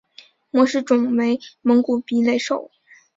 模式种为蒙古鼻雷兽。